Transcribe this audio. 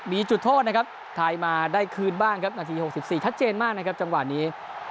มีจุดโทษนะครับไทยมาได้คืนบ้างครับนาที๖๔ชัดเจนมากนะครับจังหวะนี้